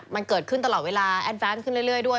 มันเกิดขึ้นตลอดเวลาขึ้นเรื่อยด้วย